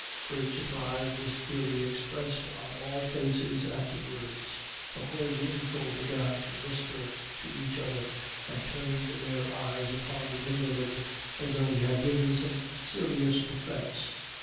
Great surprise was clearly expressed on all faces at the words. The whole roomful began to whisper to each other, and turned their eyes upon the invalid, as though he had given some serious offence.